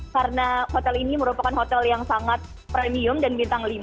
karena hotel ini merupakan hotel yang sangat premium dan bintang lima